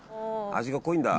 味が濃いんだ。